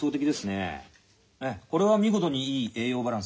ええこれは見事にいい栄養バランスですよ。